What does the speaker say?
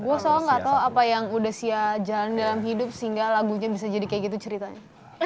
gue soal gak tau apa yang udah sia jalan dalam hidup sehingga lagunya bisa jadi kayak gitu ceritanya